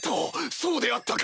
そうであったか！